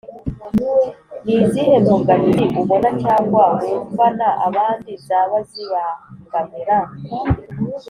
ni izihe mbogamizi ubona cyangwa wumvana abandi zaba zibangamira